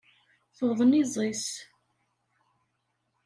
Tuḍen iẓi-s.